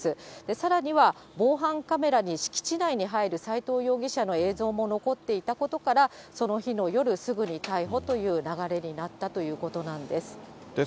さらには防犯カメラに、敷地内に入る斎藤容疑者の映像も残っていたことから、その日の夜、すぐに逮捕という流れになったということなんです。